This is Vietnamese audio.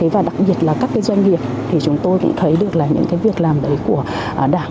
và đặc biệt là các doanh nghiệp chúng tôi cũng thấy được những việc làm đấy của đảng